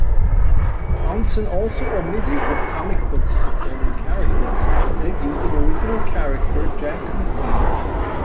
Johnson also omitted the comic book's supporting characters, instead using original character Jack McGee.